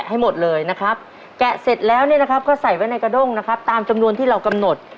ให้หมดเลยนะครับแกะเสร็จแล้วเนี่ยนะครับก็ใส่ไว้ในกระด้งนะครับตามจำนวนที่เรากำหนด